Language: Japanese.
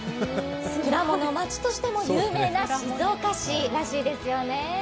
プラモの街としても有名な静岡市らしいですよね。